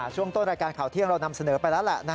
ช่วงต้นรายการข่าวเที่ยงเรานำเสนอไปแล้วแหละ